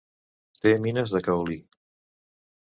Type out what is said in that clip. Té mines de caolí.